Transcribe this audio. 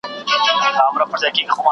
کېدای سي لاس ککړ وي؟!